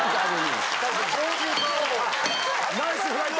ナイスフライト。